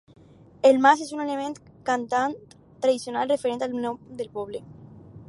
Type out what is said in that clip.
El mas és un element cantant tradicional, referent al nom del poble.